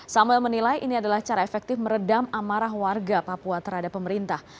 samuel menilai ini adalah cara efektif meredam amarah warga papua terhadap pemerintah